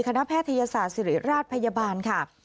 แพทยศาสตร์ศิริราชพยาบาลค่ะ